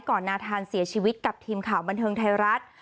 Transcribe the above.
นาธานเสียชีวิตกับทีมข่าวบันเทิงไทยรัฐ